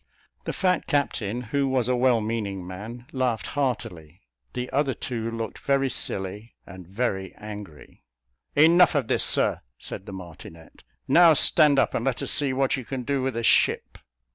The fat captain, who was a well meaning man, laughed heartily; the other two looked very silly and very angry. "Enough of this, Sir," said the martinet: "now stand up, and let us see what you can do with a ship."